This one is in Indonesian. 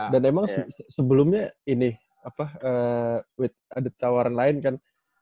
dan emang sebelumnya ini apa ada tawaran lain kan